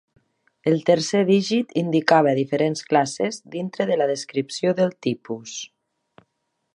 El tercer dígit indicava diferents classes dintre de la descripció del tipus.